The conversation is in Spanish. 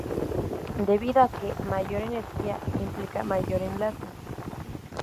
Debido a que, mayor energía, implica mayor alcance.